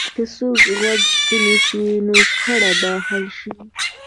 که څوک غوږ ونیسي، نو شخړه به حل شي.